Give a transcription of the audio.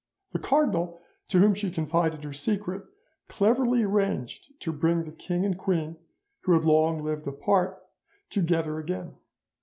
The cardinal, to whom she confided her secret, cleverly arranged to bring the king and queen, who had long lived apart, together again.